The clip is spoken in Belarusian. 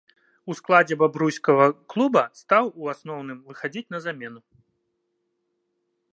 У складзе бабруйскага клуба стаў у асноўным выхадзіць на замену.